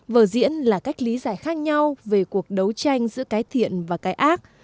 vở diễn là cách lý giải khác nhau về cuộc đấu tranh giữa cái thiện và cái ác